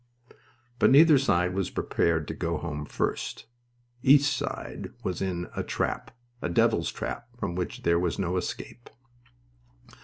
But neither side was prepared to "go home" first. Each side was in a trap a devil's trap from which there was no escape.